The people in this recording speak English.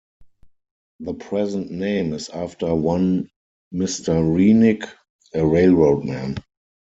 The present name is after one Mr. Renick, a railroad man.